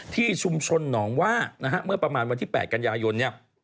ที่ชุมชนหนองว่านะฮะเมื่อประมาณวันที่๘กันยายนเนี่ย